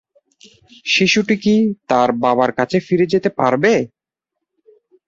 শিশুটি কি তার বাবার কাছে ফিরে যেতে পারবে?